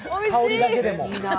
香りだけでも。